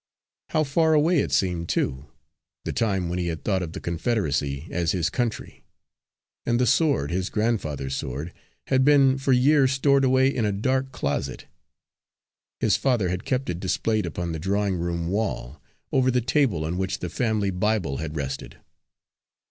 How far away it seemed too, the time when he had thought of the Confederacy as his country! And the sword, his grandfather's sword, had been for years stored away in a dark closet. His father had kept it displayed upon the drawing room wall, over the table on which the family Bible had rested.